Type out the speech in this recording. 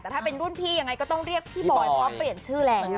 แต่ถ้าเป็นรุ่นพี่ยังไงก็ต้องเรียกพี่บอยเพราะเปลี่ยนชื่อแล้ว